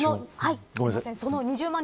その２０万